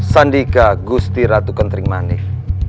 sandika gusti ratu kentering manik